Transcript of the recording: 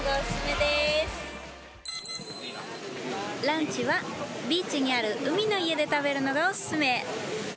ランチはビーチにある海の家で食べるのがおすすめ